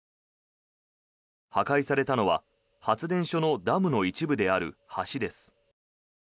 破壊されたのは発電所のダムの一部である橋です。